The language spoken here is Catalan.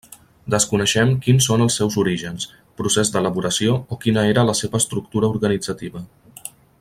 Desconeixem quins són els seus orígens, procés d’elaboració, o quina era la seva estructura organitzativa.